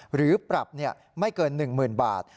หรือปรับไม่เกิน๑หมื่นบาท